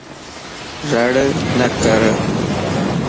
رڙ نڪر